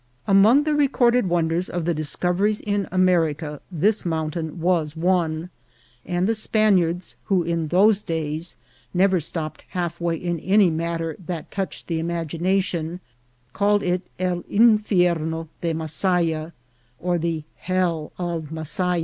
Among the recorded wonders of the discoveries in America, this mountain was one ; and the Spaniards, A MONKISH LEGEND. who in those days never stopped half way in any mat ter that touched the imagination, called it El Infierno de Masaya, or the Hell of Masaya.